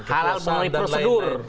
hal hal mengenai prosedur